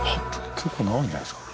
結構長いんじゃないですか？